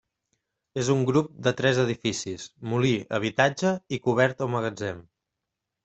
És un grup de tres edificis, molí, habitatge i cobert o magatzem.